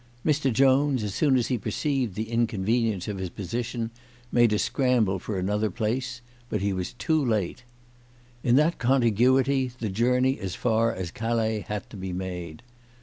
Mr. Jones, as soon as he perceived the inconvenience of his position, made a scramble for another place, but he was too late. In that contiguity the journey as far as Calais had to be made.